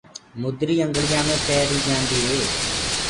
مُدري انگݪِيآ مي پيريٚ جآنٚديٚ هي